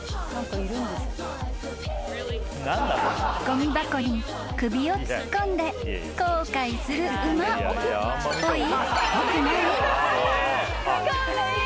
［ごみ箱に首を突っ込んで後悔する馬］カワイイ。